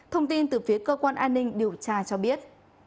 thông tin từ phía cơ quan an ninh điều tra cho biết